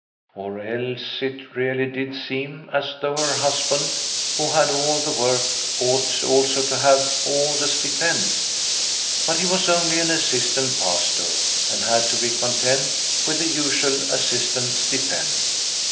Or else, it really did seem as though her husband who had all the work ought also to have all the stipend. But he was only an assistant pastor, and had to be content with the usual assistant stipend.